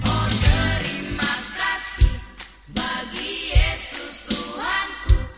oh terima kasih bagi yesus tuhanku